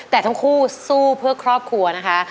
แต่ทั้งคู่สู้เพื่อครอบครัวนะคะ